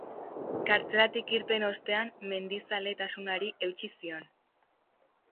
Kartzelatik irten ostean mendizaletasunari eutsi zion.